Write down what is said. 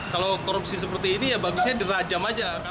kalau korupsi seperti ini ya bagusnya dirajam aja